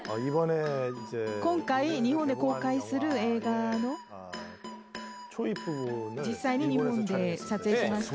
今回、日本で公開する映画の、実際に日本で撮影してました。